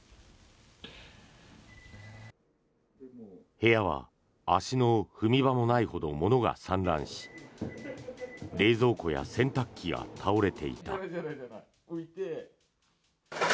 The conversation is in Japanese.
部屋は足の踏み場もないほど物が散乱し冷蔵庫や洗濯機が倒れていた。